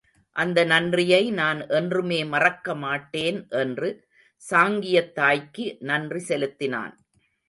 அந்த நன்றியை நான் என்றுமே மறக்க மாட்டேன் என்று சாங்கியத்தாய்க்கு நன்றி செலுத்தினான்.